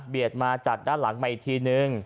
เบียดมาจากด้านหลังไว้อีกทีหนึ่ง